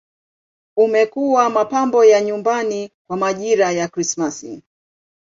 Umekuwa mapambo ya nyumbani kwa majira ya Krismasi.